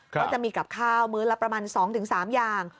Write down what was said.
ก็จะมีกับข้าวมื้อละประมาณ๒๓อย่าง